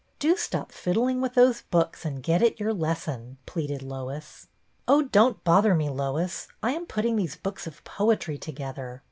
Do stop fiddling with those books and get at your lesson," pleaded Lois. "Oh, don't bother me, Lois. I am put ting these books of poetry together."